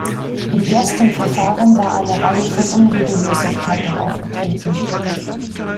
Im ersten Verfahren war eine Reihe von Unregelmäßigkeiten aufgetreten.